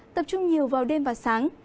tập trung nhiều vào đêm và sáng